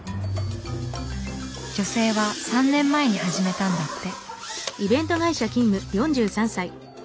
女性は３年前に始めたんだって。